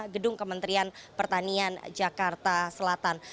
gedung kementerian pertanian jakarta selatan